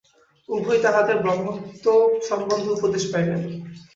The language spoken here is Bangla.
উভয়েই তাঁহাদের ব্রহ্মত্ব সম্বন্ধে উপদেশ পাইলেন।